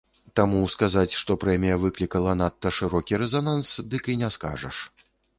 Таму сказаць, што прэмія выклікала надта шырокі рэзананс, дык і не скажаш.